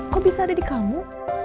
kok bisa ada di kamu